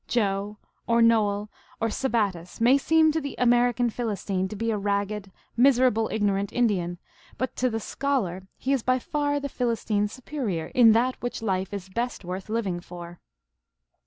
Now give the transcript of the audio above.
Joe, or Noel, or Sabattis may seem to the American Philistine to be a ragged, miserable, ignorant Indian ; but to the scholar he is by far the Philistine s superior in that which life is best worth living for.